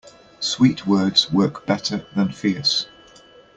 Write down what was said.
Sweet words work better than fierce.